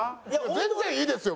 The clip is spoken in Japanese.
全然いいですよ